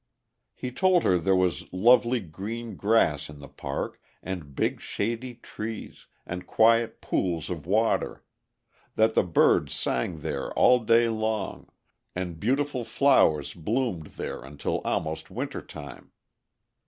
He told her there was lovely green grass in the park, and big, shady trees, and quiet pools of water; that the birds sang there all day long, and beautiful flowers bloomed there until almost winter time.